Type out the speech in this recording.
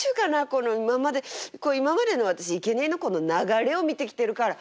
この今までこう今までの私いけにえのこの流れを見てきてるから。